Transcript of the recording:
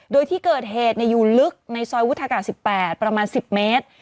โดยที่เกิดเหตุอยู่ลึกในซอยวุฒากาศ๑๘ประมาณ๑๐เมตร